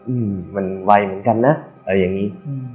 อืมมันไวเหมือนกันนะอะไรอย่างนี้